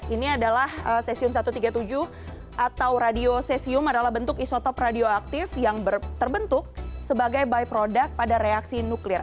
ini adalah cesium satu ratus tiga puluh tujuh atau radioceum adalah bentuk isotop radioaktif yang terbentuk sebagai by product pada reaksi nuklir